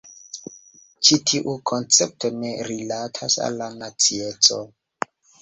Ĉi tiu koncepto ne rilatas al nacieco.